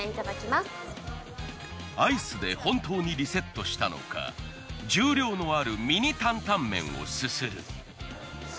アイスで本当にリセットしたのか重量のあるミニタンタン麺をすする。